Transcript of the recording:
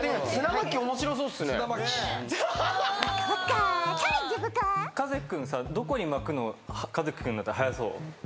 カズキ君さどこに巻くのカズキ君だったら速そう？